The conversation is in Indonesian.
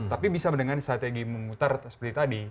tapi bisa dengan strategi memutar seperti tadi